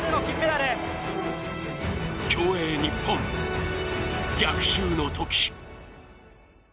競泳日本、逆襲の時。